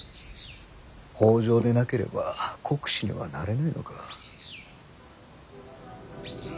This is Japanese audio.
北条でなければ国司にはなれないのか。